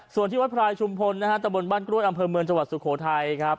ส่วนที่วัดพรายชุมพลนะฮะตะบนบ้านกล้วยอำเภอเมืองจังหวัดสุโขทัยครับ